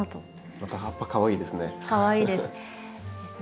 また葉っぱかわいいですね。